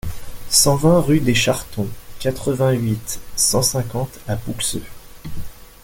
cent vingt rue des Chartons, quatre-vingt-huit, cinq cent cinquante à Pouxeux